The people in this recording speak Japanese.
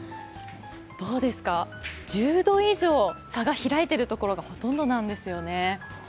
どうですか、１０度以上差が開いているところがほとんどなんですよね。